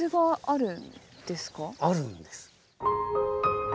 あるんです。